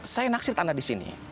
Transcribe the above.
saya naksir tanah disini